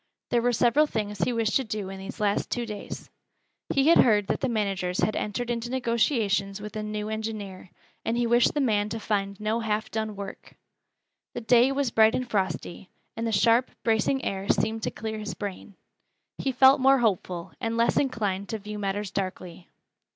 There were several things he wished to do in these last two days. He had heard that the managers had entered into negotiations with a new engineer, and he wished the man to find no half done work. The day was bright and frosty, and the sharp, bracing air seemed to clear his brain. He felt more hopeful, and less inclined to view matters darkly.